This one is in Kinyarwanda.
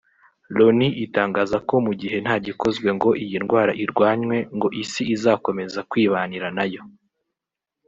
Loni itangaza ko mu gihe nta gikozwe ngo iyi ndwara irwanywe ngo isi izakomeza kwibanira nayo